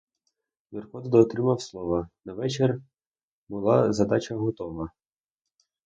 Юрко дотримав слова, на вечір була задача готова.